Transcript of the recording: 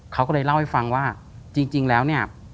เขาก็เลยเล่าให้ฟังว่าจริงแล้วเนี่ย